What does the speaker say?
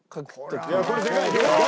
いやこれでかい。